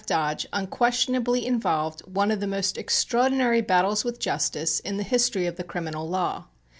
Dodge unquestionably involved one of the most extraordinary battles with justice in the history of the criminal law.